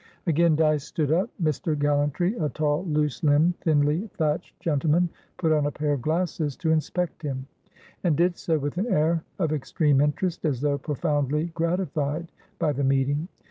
Again Dyce stood up. Mr. Gallantry, a tall, loose limbed, thinly thatched gentleman, put on a pair of glasses to inspect him, and did so with an air of extreme interest, as though profoundly gratified by the meeting.